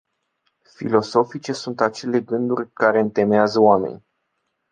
Filosofice sunt acele gândiri care întemeiază oameni.